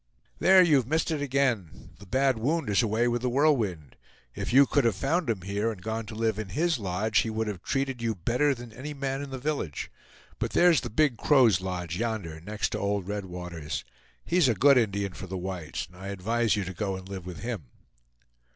"There, you've missed it again! The Bad Wound is away with The Whirlwind. If you could have found him here, and gone to live in his lodge, he would have treated you better than any man in the village. But there's the Big Crow's lodge yonder, next to old Red Water's. He's a good Indian for the whites, and I advise you to go and live with him."